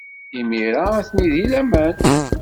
Imir-a, atni deg laman.